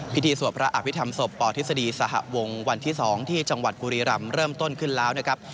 สวดพระอภิษฐรรมศพปทฤษฎีสหวงวันที่๒ที่จังหวัดบุรีรำเริ่มต้นขึ้นแล้วนะครับ